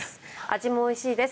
味もおいしいです。